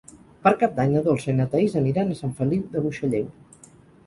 Per Cap d'Any na Dolça i na Thaís aniran a Sant Feliu de Buixalleu.